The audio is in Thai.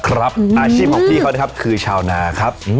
อาชีพของพี่เขานะครับคือชาวนาครับ